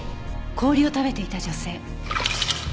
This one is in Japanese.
氷を食べていた女性。